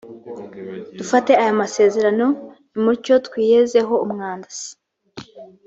dufate ayo masezerano nimucyo twiyezeho umwanda